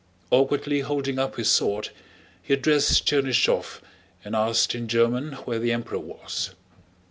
Awkwardly holding up his sword, he addressed Chernýshev and asked in German where the Emperor was.